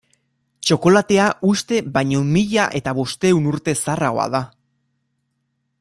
Txokolatea uste baino mila eta bostehun urte zaharragoa da.